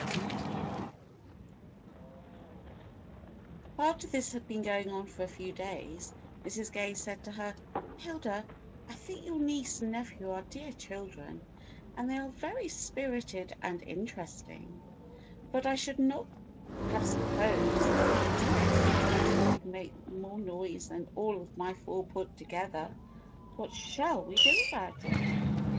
82 THE BLUE AUNT After this had been going on for a few days, Mrs. Gay said to her: "Hilda, I think your niece and nephew are dear children, and they are very spirited and interesting, but I should not have supposed that two extra children could make more noise than all of my four put together. What shall we do about it?"